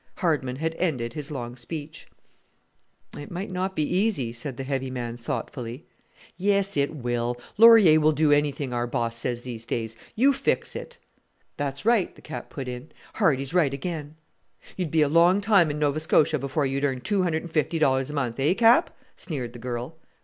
Hardman had ended his long speech. In jail. "It might not be easy," said the heavy man thoughtfully. "Yes, it will; Laurier will do anything our boss says these days: you fix it!" "That's right," the Cap put in. "Hardie's right again!" "You'd be a long time in Nova Scotia before you'd earn two hundred and fifty dollars a month! Eh, Cap?" sneered the girl.